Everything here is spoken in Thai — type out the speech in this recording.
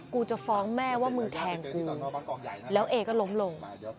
กูจะฟ้องแม่ว่ามึงแทงกูแล้วเอก็ล้มลง